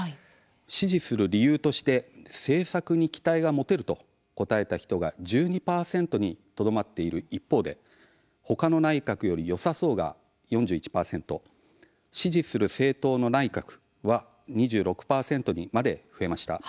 支持する理由として政策に期待が持てると答えた人が１２％にとどまっている一方でほかの内閣よりよさそうが４１％支持する政党の内閣は２６％にまで増えました。